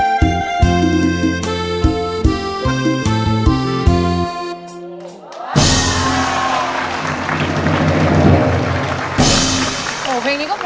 นานกว่าเพลงที่สองมั้ย